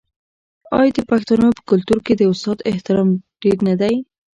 آیا د پښتنو په کلتور کې د استاد احترام ډیر نه دی؟